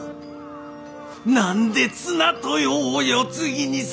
何で綱豊を世継ぎにするんや。